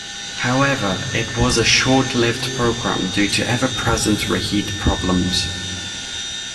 However, it was a short-lived program due to ever-present reheat problems.